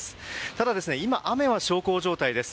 ただ今、雨は小康状態です。